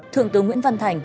thượng tướng nguyễn văn thành